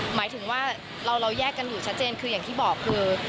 หมายถึงว่าเราแยกกันอยู่ชัดเจนคืออย่างที่บอกคือ